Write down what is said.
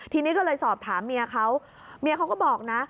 ทีนี้ก็เลยสอบถามเมียเขาเมียเขาก็บอกนะ